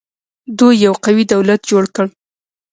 دوی یو قوي دولت جوړ کړ